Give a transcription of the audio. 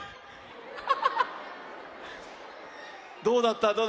どうだった？